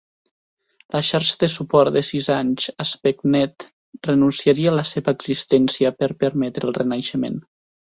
La xarxa de suport de sis anys AspectNet, renunciaria a la seva existència per permetre el renaixement.